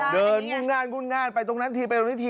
เดินู่งน่านไปตรงนั้นที